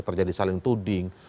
terima kasih ahh